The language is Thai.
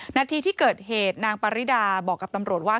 นาทีที่เกิดเหตุนางปริดาบอกกับตำรวจว่า